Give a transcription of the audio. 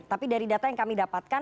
tapi dari data yang kami dapatkan